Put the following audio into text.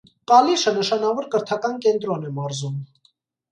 Կալիշը նշանավոր կրթական կենտրոն է մարզում։